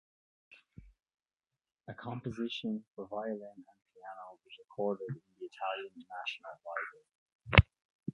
A composition for violin and piano is recorded in the Italian National Library.